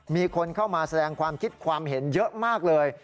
มีคนเข้ามาแสดงความคิดความเห็นเยอะมากเลย